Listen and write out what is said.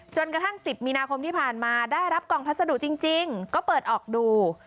กระทั่ง๑๐มีนาคมที่ผ่านมาได้รับกล่องพัสดุจริงก็เปิดออกดู